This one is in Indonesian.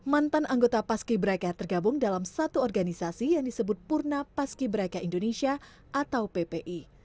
mantan anggota paski braka tergabung dalam satu organisasi yang disebut purna paski braka indonesia atau ppi